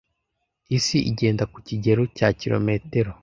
Isi igenda ku kigero cya kilometero